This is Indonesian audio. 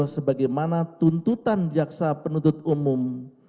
sebagaimana tuntutan jaksa penuntut umum